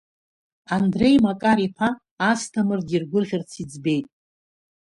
Андреи Макар-иԥа Асҭамыр диргәырӷьарц иӡбеит.